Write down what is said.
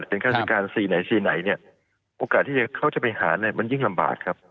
เป็นฆาติการสี่ไหนสีไหนเนี่ยโอกาสที่เขาจะไปหาเนี่ยมันยิ่งลำบากครับ